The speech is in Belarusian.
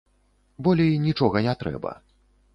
Болей нічога не трэба.